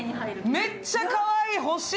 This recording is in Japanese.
めっちゃかわいい、欲しい！